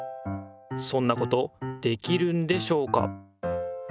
そんなことできるんでしょうか？